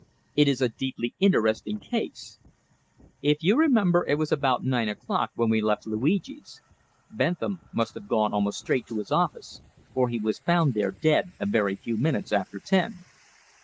It is a deeply interesting case. If you remember, it was about nine o'clock when we left Luigi's; Bentham must have gone almost straight to his office, for he was found there dead a very few minutes after ten."